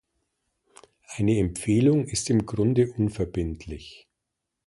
Eine Empfehlung ist im Grunde unverbindlich.